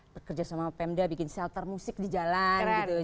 bekerja sama pemda bikin shelter musik di jalan gitu